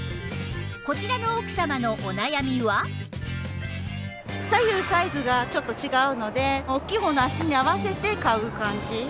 こちらの奥様の左右サイズがちょっと違うのでおっきい方のサイズに合わせて買う感じ。